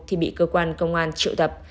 thì bị cơ quan công an triệu tập